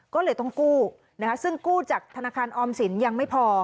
ก็เลยต้องกู้ซึ่งกู้จากธนาคารออมสินยังไม่พอ